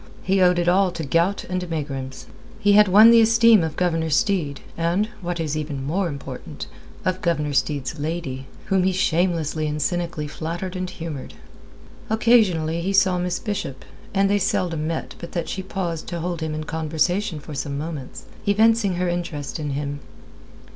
He owed it all to gout and megrims. He had won the esteem of Governor Steed, and what is even more important of Governor Steed's lady, whom he shamelessly and cynically flattered and humoured. Occasionally he saw Miss Bishop, and they seldom met but that she paused to hold him in conversation for some moments, evincing her interest in him.